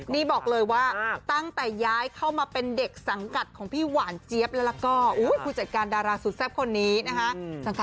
นี่บอกเลยว่าตั้งแต่ย้ายเข้ามาเป็นเด็กสังกัดของพี่หวานเจี๊ยบแล้วก็ผู้จัดการดาราสุดแซ่บคนนี้นะคะ